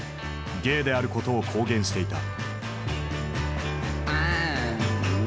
ゲイであることを公言していた。